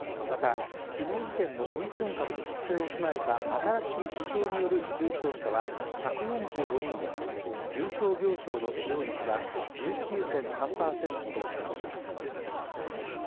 また、昨日時点のオミクロン株の特性を踏まえた新しい指標による重症者は１４５人で重症病床の使用率は１９．３％となっています。